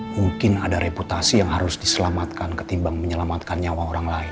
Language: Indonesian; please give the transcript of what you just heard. mungkin ada reputasi yang harus diselamatkan ketimbang menyelamatkan nyawa orang lain